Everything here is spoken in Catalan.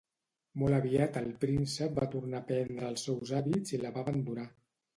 Molt aviat el príncep va tornar a prendre els seus hàbits i la va abandonar.